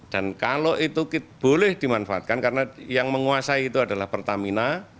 dan kalau itu boleh dimanfaatkan karena yang menguasai itu adalah pertamina